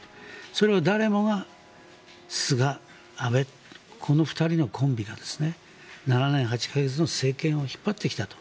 それは誰もが菅、安倍この２人のコンビが７年８か月の政権を引っ張ってきたと。